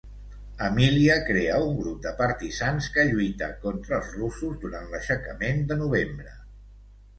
Emília crea un grup de partisans que lluita contra els russos durant l'Aixecament de Novembre.